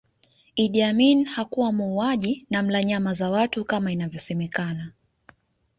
Idi Amin hakuwa muuaji na mla nyama za watu kama inavyosemekana